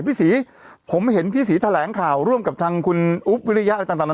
พี่ศรีผมเห็นพี่ศรีแถลงข่าวร่วมกับทางคุณอุ๊บวิริยะอะไรต่างนา